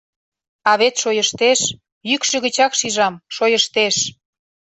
А вет шойыштеш, йӱкшӧ гычак шижам, шойыштеш!